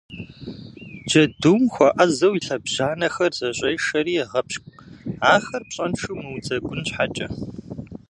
Джэдум хуэӏэзэу и лъэбжьанэхэр зэщӏешэри егъэпщкӏу, ахэр пщӏэншэу мыудзэгун щхьэкӏэ.